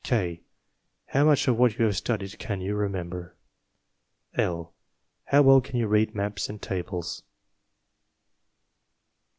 K. How much of what you have studied can you remember? L. How well can you read maps and tables?